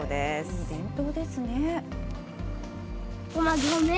いい伝統ですね。